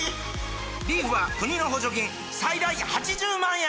リーフは国の補助金最大８０万円！